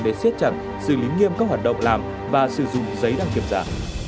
để siết chặt xử lý nghiêm các hoạt động làm và sử dụng giấy đăng kiểm giả